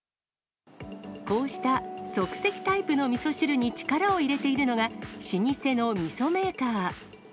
こうした即席タイプのみそ汁に力を入れているのが、老舗のみそメーカー。